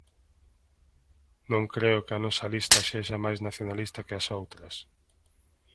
Non creo que a nosa lista sexa máis nacionalista que as outras.